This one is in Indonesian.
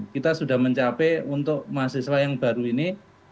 kita sudah mencapai untuk mahasiswa yang baru ini dua puluh enam